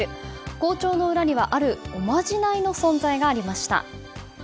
好調の裏には、あるおまじないの存在がありました。